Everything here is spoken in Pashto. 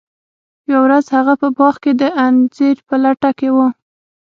یوه ورځ هغه په باغ کې د انځر په لټه کې و.